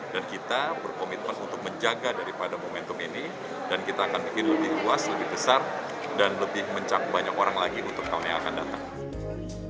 dan kita berkomitmen untuk menjaga daripada momentum ini dan kita akan bikin lebih luas lebih besar dan lebih mencakup banyak orang lagi untuk tahun yang akan datang